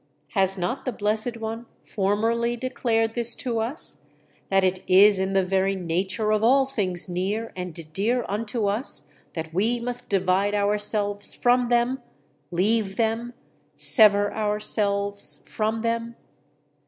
Has not the Blessed One formerly declared this to us, that it is in the very nature of all things near and dear unto us, that we must divide ourselves from them, leave them, sever ourselves from them?